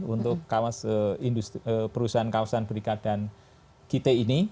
untuk perusahaan kawasan berikat dan kit ini